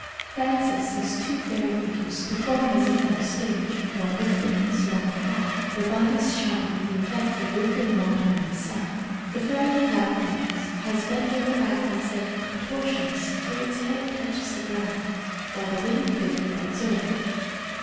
Frances sees two fairy figures performing as if on the stage, one with wings, one without. Their bodies shine with the effect of rippling water in the sun. The fairy without wings has bent over backwards like a contortionist till its head touches the ground, while the winged figure bends over it.